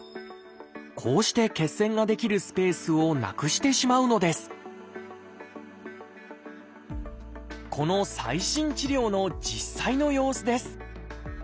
こうして血栓が出来るスペースをなくしてしまうのですこの最新治療の実際の様子です。